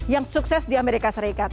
yang sukses di amerika serikat